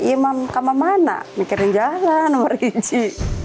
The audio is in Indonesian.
iya mau kemana mana mikirin jalan berhenti